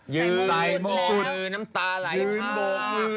ใส่หมดยืนบมมือ